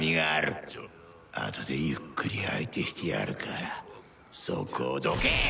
あとでゆっくり相手してやるからそこをどけ！